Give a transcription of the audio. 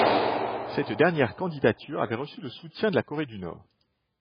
Cette dernière candidature avait reçu le soutien de la Corée du Nord.